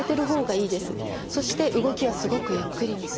そして動きはすごくゆっくりにする。